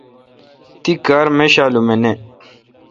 تی کار میشالم اؘ نہ۔